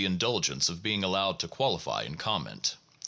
153 indulgence of being allowed to qualify and comment.